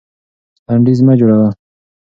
لنډيز مه جوړوه.